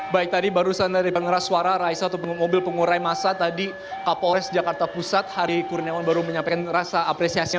baik tadi barusan dari pengeras suara raisa atau mobil pengurai masa tadi kapolres jakarta pusat hari kurniawan baru menyampaikan rasa apresiasi